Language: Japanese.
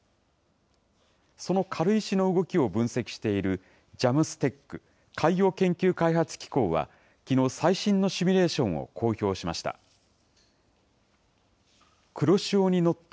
その軽石の動きを分析しているＪＡＭＳＴＥＣ・海洋研究開発機構は、きのう、最新のシミュレーションを公表しました。